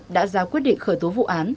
đã ra quyết định khởi tố vụ án